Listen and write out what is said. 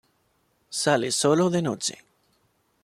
Sale sólo de noche.